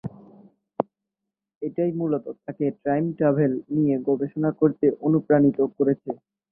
এটাই মূলত তাকে টাইম ট্রাভেল নিয়ে গবেষণা করতে অনুপ্রাণিত করেছে।